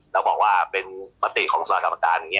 แล้วบอกว่าเป็นปฏิของสภากรรมการ